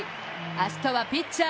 明日はピッチャー